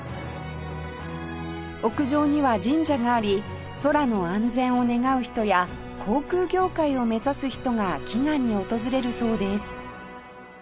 屋上には神社があり空の安全を願う人や航空業界を目指す人が祈願に訪れるそうです